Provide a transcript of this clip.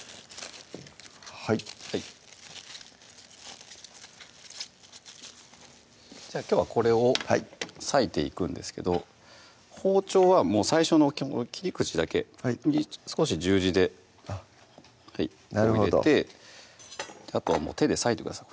はいはいじゃあきょうはこれをさいていくんですけど包丁は最初の切り口だけ少し十字で入れてなるほどあとは手でさいてください